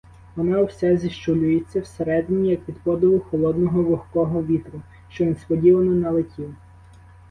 Вона вся зіщулюється всередині, як від подуву холодного, вогкого вітру, що несподівано налетів.